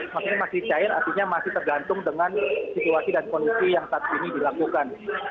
dan artinya masih cair artinya masih tergantung dengan situasi dan kondisi yang saat ini dilakukan